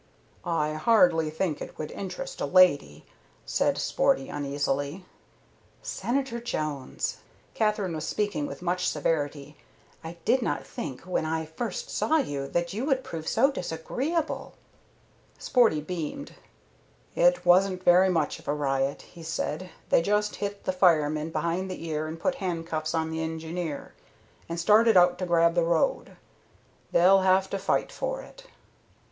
"I hardly think it would interest a lady," said Sporty, uneasily. "Senator Jones," Katherine was speaking with much severity, "I did not think when I first saw you that you could prove so disagreeable." Sporty beamed. "It wasn't very much of a riot," he said. "They just hit the fireman behind the ear and put handcuffs on the engineer, and started out to grab the road. They'll have to fight for it."